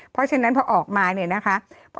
เพราะฉะนั้นพอออกมาเนี่ยนะคะ